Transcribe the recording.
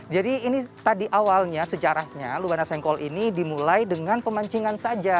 jadi ini tadi awalnya sejarahnya lubana sengkol ini dimulai dengan pemancingan saja